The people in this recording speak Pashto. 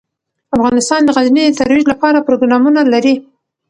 افغانستان د غزني د ترویج لپاره پروګرامونه لري.